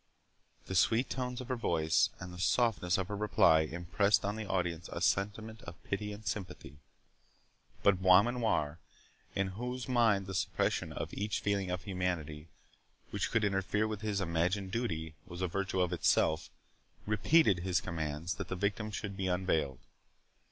The sweet tones of her voice, and the softness of her reply, impressed on the audience a sentiment of pity and sympathy. But Beaumanoir, in whose mind the suppression of each feeling of humanity which could interfere with his imagined duty, was a virtue of itself, repeated his commands that his victim should be unveiled.